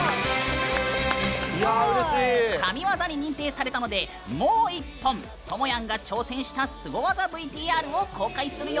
神ワザに認定されたのでもう一本、ともやんが挑戦したスゴ技ＶＴＲを公開するよ。